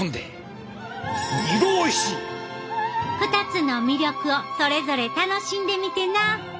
２つの魅力をそれぞれ楽しんでみてな。